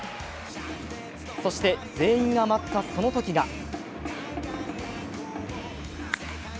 そして、全員が待った、そのときが。